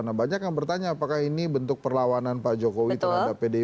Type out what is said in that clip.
nah banyak yang bertanya apakah ini bentuk perlawanan pak jokowi terhadap pdip